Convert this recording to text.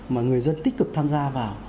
mà người dân tích cực tham gia vào